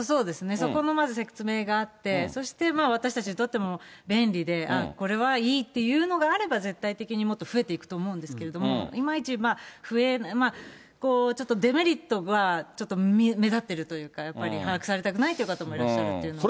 そこのまず説明があって、そして私たちにとっても便利で、あっ、これはいいっていうのがあれば、絶対的にもっと増えていくと思うんですけれども、いまいち増えない、ちょっとデメリットがちょっと目立ってるというか、やっぱり把握されたくないという方もいらっしゃるということで。